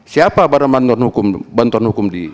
siapa para bantuan hukum di